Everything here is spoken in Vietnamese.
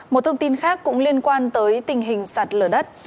một thông tin khác cũng liên quan tới tình hình sạt lở đất